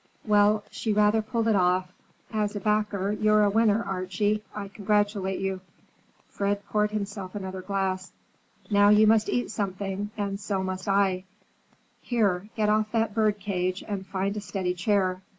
"Well, she rather pulled it off! As a backer, you're a winner, Archie. I congratulate you." Fred poured himself another glass. "Now you must eat something, and so must I. Here, get off that bird cage and find a steady chair.